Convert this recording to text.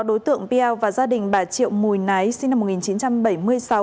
đối tượng peo và gia đình bà triệu mùi nái sinh năm một nghìn chín trăm bảy mươi sáu